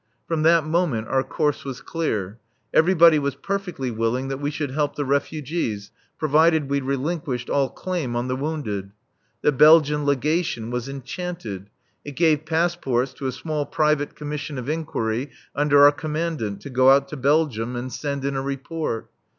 From that moment our course was clear. Everybody was perfectly willing that we should help the refugees, provided we relinquished all claim on the wounded. The Belgian Legation was enchanted. It gave passports to a small private commission of inquiry under our Commandant to go out to Belgium and send in a report.